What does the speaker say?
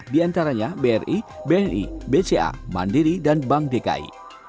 diantaranya bri bni bca mandiri dan bank dki